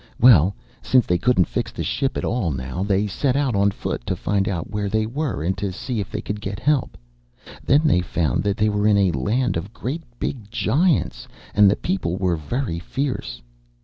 Well, since they couldn't fix the ship at all now, they set out on foot to find out where they were and to see if they could get help. Then they found that they were in a land of great big giants, and the people were very fierce."